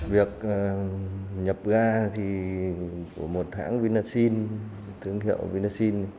việc nhập ga của một hãng vinaside tướng hiệu vinaside